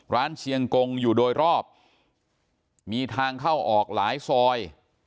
เชียงกงอยู่โดยรอบมีทางเข้าออกหลายซอย